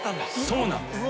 そうなんです。